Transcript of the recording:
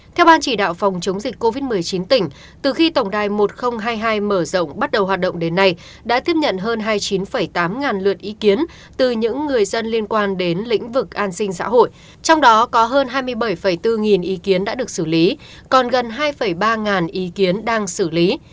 theo ban chỉ đạo phòng chống dịch covid một mươi chín tỉnh từ khi tổng đài một nghìn hai mươi hai mở rộng bắt đầu hoạt động đến nay đã tiếp nhận hơn hai mươi chín tám ngàn lượt ý kiến từ những người dân liên quan đến lĩnh vực an sinh xã hội trong đó có hơn hai mươi bảy bốn nghìn ý kiến đã được xử lý còn gần hai ba ý kiến đang xử lý